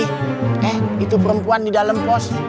eh itu perempuan di dalam pos